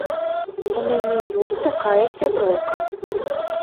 У мяне ёсць такая сяброўка.